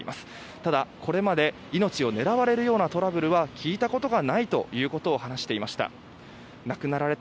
ただ、これまで命を狙われるようなトラブルは聞いたことがないということを話していました。